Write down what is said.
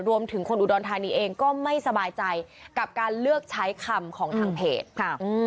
รวมถึงคนอุดรธานีเองก็ไม่สบายใจกับการเลือกใช้คำของทางเพจค่ะ